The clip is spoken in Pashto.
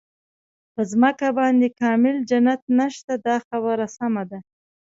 په ځمکه باندې کامل جنت نشته دا خبره سمه ده.